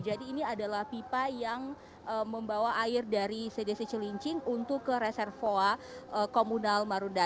jadi ini adalah pipa yang membawa air dari cdc chilincing untuk ke reservoir komunal marunda